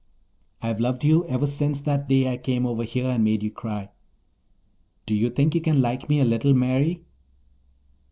I've loved you ever since that day I came over here and made you cry. Do you think you can like me a little, Mary?"